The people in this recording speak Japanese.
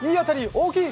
大きい！